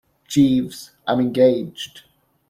Jeeves, I'm engaged.